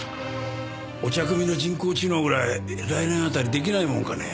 お茶くみの人工知能ぐらい来年あたり出来ないもんかね。